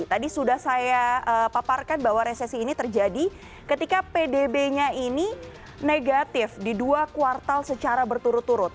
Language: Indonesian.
tadi sudah saya paparkan bahwa resesi ini terjadi ketika pdb nya ini negatif di dua kuartal secara berturut turut